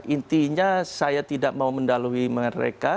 intinya saya tidak mau mendalui mereka